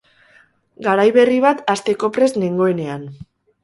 Garai berri bat hasteko prest nengoenean.